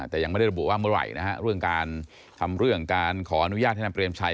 แต่ยังไม่ได้ระบุว่าเมื่อไหร่นะฮะเรื่องการทำเรื่องการขออนุญาตให้นายเปรมชัย